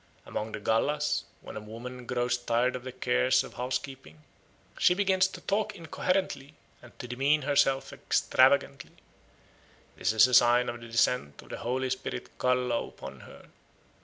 Among the Gallas, when a woman grows tired of the cares of housekeeping, she begins to talk incoherently and to demean herself extravagantly. This is a sign of the descent of the holy spirit Callo upon her.